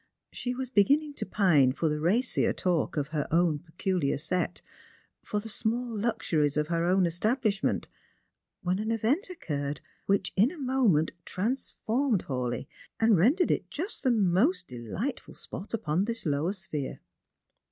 She was beginning to pine for the racier talk of her own peculiar set, for the small luxuries of her own establishment, when an event occurred which, in a moment, transformed Hawleigh, and rendered it just the most delightful spot upon this lower sphere.